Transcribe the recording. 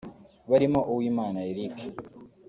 barimo Uwimana Eric